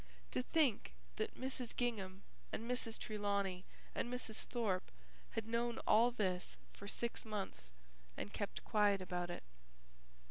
To think that Mrs. Gingham and Mrs. Trelawney and Mrs. Thorpe had known all this for six months and kept quiet about it!